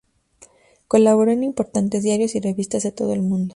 Colaboró en importantes diarios y revistas de todo el mundo.